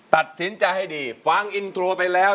ตัดสินใจให้ดีฟังอินโทรไปแล้ว